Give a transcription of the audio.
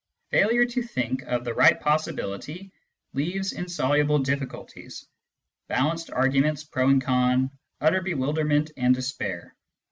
Failure to think of the right possibility leaves insoluble difficulties, balanced arguments pro and con, utter bewilderment and despair.